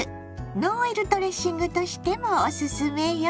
ノンオイルドレッシングとしてもオススメよ。